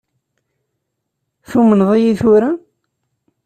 Tumneḍ-iyi tura?